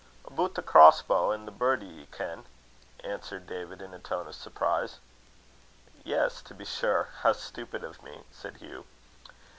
"Aboot the cross bow an' the birdie, ye ken," answered David, in a tone of surprise. "Yes, to be sure. How stupid of me!" said Hugh.